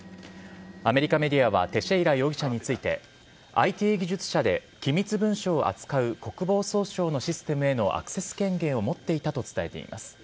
アメリカメディアはテシェイラ容疑者についてＩＴ技術者で機密文書を扱う国防総省のシステムへのアクセス権限を持っていたと伝えています。